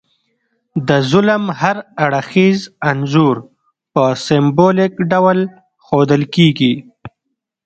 د ظلم هر اړخیز انځور په سمبولیک ډول ښودل کیږي.